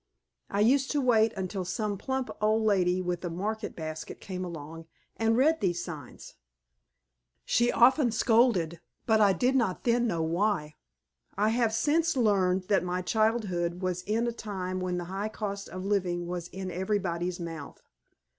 I used to wait until some plump old lady with a market basket came along and read these signs. She often scolded, but I did not then know why. I have since learned that my childhood was in a time when the high cost of living was in everybody's mouth.